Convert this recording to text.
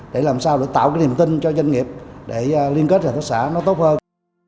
để làm sao để tạo cái niềm tin cho doanh nghiệp để liên kết hợp tác xã nó tốt hơn